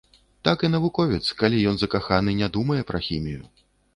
Так і навуковец, калі ён закаханы, не думае пра хімію.